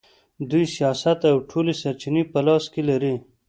دوی سیاست او ټولې سرچینې په لاس کې لري.